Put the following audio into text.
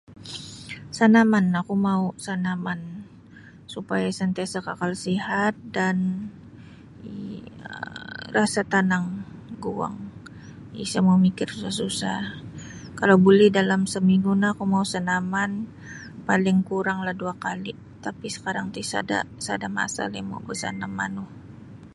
Sanaman oku mau' sanaman supaya santiasa' kakal sihat dan um rasa tanang guang isa mamikir susah-susah kalau buli dalam saminggu no oku mau sanaman paling kuranglah dua kali' tapi sakarang ti sada' sada' masa nio mau basanam manu.